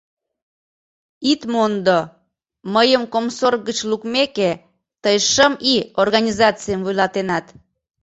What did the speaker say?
Ит мондо, мыйым комсорг гыч лукмеке, тый шым ий организацийым вуйлатенат...